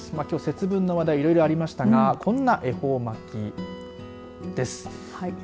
きょう節分の話題いろいろありましたがこんな恵方巻きです。